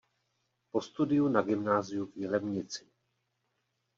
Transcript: Po studiu na gymnáziu v Jilemnici.